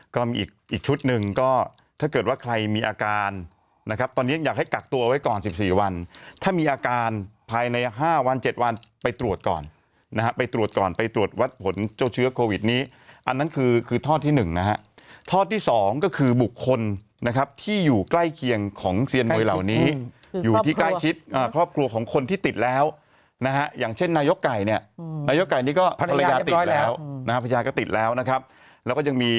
ก็มีอีกชุดหนึ่งก็ถ้าเกิดว่าใครมีอาการนะครับตอนนี้อยากให้กักตัวไว้ก่อน๑๔วันถ้ามีอาการภายใน๕วัน๗วันไปตรวจก่อนนะครับไปตรวจก่อนไปตรวจวัดผลเจ้าเชื้อโควิดนี้อันนั้นคือคือทอดที่๑นะฮะทอดที่๒ก็คือบุคคลนะครับที่อยู่ใกล้เคียงของเซียนโมยเหล่านี้อยู่ที่ใกล้ชิดครอบครัวของคนที่ติ